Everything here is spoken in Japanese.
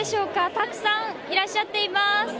たくさんいらっしゃっています。